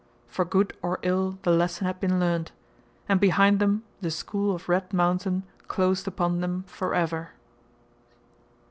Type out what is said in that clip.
For good or ill the lesson had been learned, and behind them the school of Red Mountain closed upon them forever.